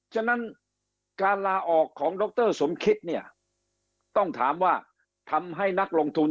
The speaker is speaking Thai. ฉะนั้นการลาออกของดรสมคิตเนี่ยต้องถามว่าทำให้นักลงทุน